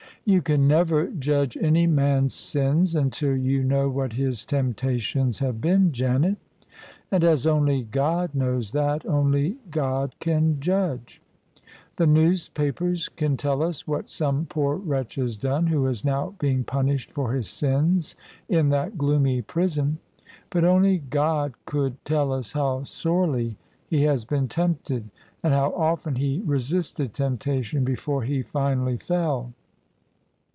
"You can never judge any man's sins until you know what his temptations have been, Janet: and as only God knows that, only God can judge. The newspapers can tell us what $ome poor wretch has done, who is now being pun ished for his sins in that gloomy prison ; but only God could tell us how sorely he has been tempted, and how often he resisted temptation before he finally fell.